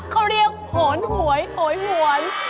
เขาเรียกโหนหวยโหยหวน